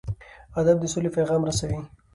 ادب د سولې پیغام رسوي.